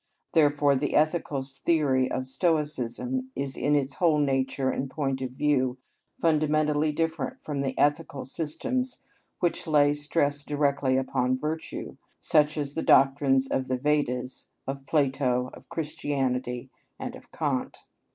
Therefore the ethical theory of Stoicism is in its whole nature and point of view fundamentally different from the ethical systems which lay stress directly upon virtue, such as the doctrines of the Vedas, of Plato, of Christianity, and of Kant.